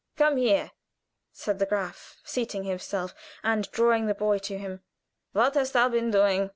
"Come here," said the Graf, seating himself and drawing the boy to him. "What hast thou been doing?"